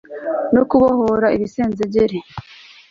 no kubohoribisenzegeri